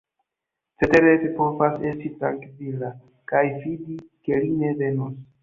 Cetere vi povas esti trankvila, kaj fidi ke li ne venos.